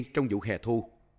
trong vụ hè thu